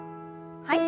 はい。